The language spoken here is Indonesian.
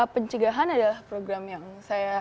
pencegahan adalah program yang saya